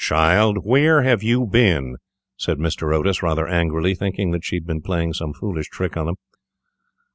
child, where have you been?" said Mr. Otis, rather angrily, thinking that she had been playing some foolish trick on them.